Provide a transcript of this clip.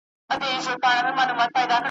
پر هغي لاري به وتلی یمه ,